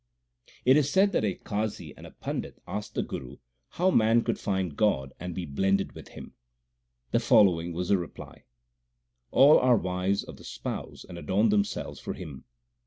It is said that a Qazi and a pandit asked the Guru how man could find God and be blended with Him. The following was the reply : All are wives of the Spouse and adorn themselves for Him.